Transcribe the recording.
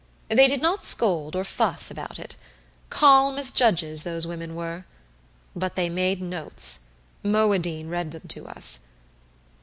They did not scold or fuss about it. Calm as judges, those women were. But they made notes; Moadine read them to us.